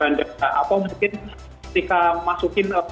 atau mungkin ketika masukin